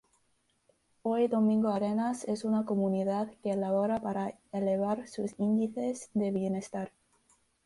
Hoy Domingo Arenas es una comunidad que labora para elevar sus índices de bienestar.